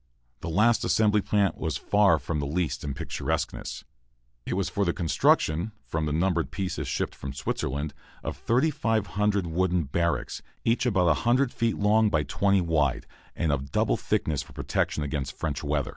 The last assembly plant was far from least in picturesqueness. It was for the construction, from numbered pieces shipped from Switzerland, of 3,500 wooden barracks, each about 100 feet long by 20 wide, and of double thickness for protection against French weather.